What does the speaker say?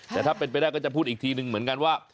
แต่ถ้าเป็นไปได้ก็จะพูดอีกทีนึงเหมือนกันว่า